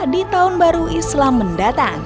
di tahun baru islam mendatang